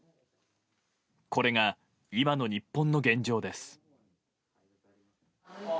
これが今の日本の現状です。